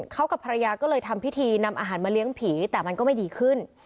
เขากับภรรยาก็เลยทำพิธีนำอาหารมาเลี้ยงผีแต่มันก็ไม่ดีขึ้น